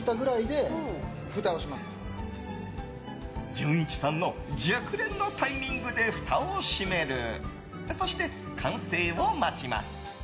じゅんいちさん熟練のタイミングでふたを閉めそして、完成を待ちます。